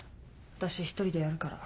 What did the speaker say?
私一人でやるから。